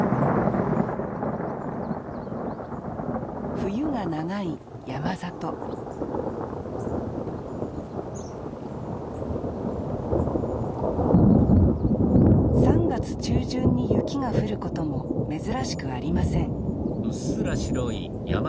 冬が長い山里３月中旬に雪が降ることも珍しくありません